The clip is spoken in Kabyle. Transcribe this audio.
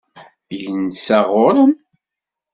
Yensa ɣur-m?